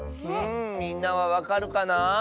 みんなはわかるかな？